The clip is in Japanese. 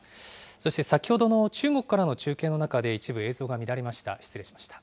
そして先ほどの中国からの中継の中で、一部、映像が乱れました。